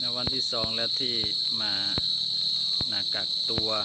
วันที่๒แล้วที่มากักตัว